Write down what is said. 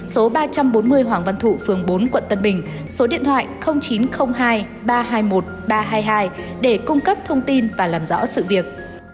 số ba trăm bốn mươi hoàng văn thụ phường bốn quận tân bình số điện thoại chín trăm linh hai ba trăm hai mươi một ba trăm hai mươi hai để cung cấp thông tin và làm rõ sự việc